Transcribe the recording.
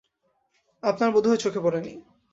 আপনার বোধহয় চোখে পড়ে নি।